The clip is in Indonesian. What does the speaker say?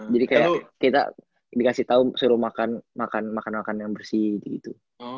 jadi kayak kita dikasih tau suruh makan makan yang bersih gitu